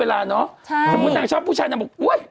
ปราบพูดนางชอบผู้ชายนางบอกก๋วย